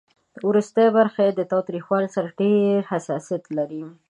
ورستۍ برخه یې له تریخوالي سره ډېر حساسیت لري.